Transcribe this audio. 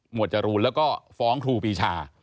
จรูนแล้วก็ฟ้องครูปีชา